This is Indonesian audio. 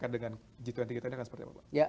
dengan g dua puluh kita ini akan seperti apa pak